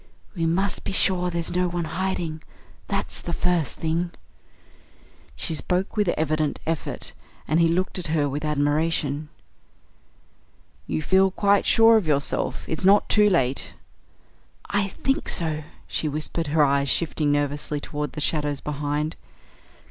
We must be sure there's no one hiding. That's the first thing." She spoke with evident effort, and he looked at her with admiration. "You feel quite sure of yourself? It's not too late " "I think so," she whispered, her eyes shifting nervously toward the shadows behind.